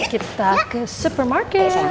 kita ke supermarket